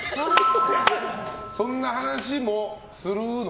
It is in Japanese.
そんな話もするの？